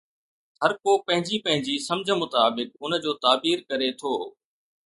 هر ڪو پنهنجي پنهنجي سمجهه مطابق ان جو تعبير ڪري ٿو.